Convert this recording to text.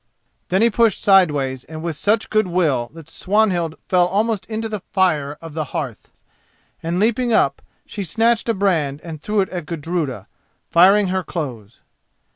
Then he pushed sideways and with such good will that Swanhild fell almost into the fire of the hearth, and, leaping up, she snatched a brand and threw it at Gudruda, firing her clothes.